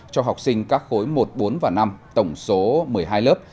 cho học sinh các khối một bốn và năm tổng số một mươi hai lớp